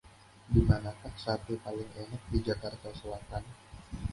Dimanakah sate paling enak di Jakarta Selatan?